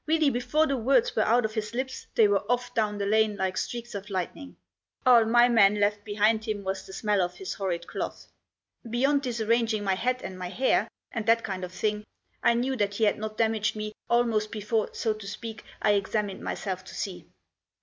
Really before the words were out of his lips they were off down the lane like streaks of lightning. All my man left behind him was the smell of his horrid cloth. Beyond disarranging my hat and my hair, and that kind of thing, I knew that he had not damaged me almost before, so to speak, I examined myself to see.